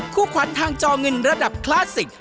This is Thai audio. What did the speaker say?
คู่ขวัญทางจอเงินระดับคลาสสิก